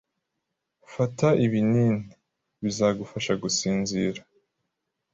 Fata ibinini. Bizagufasha gusinzira.